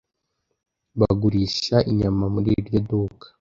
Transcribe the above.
Bagurisha inyama muri iryo duka.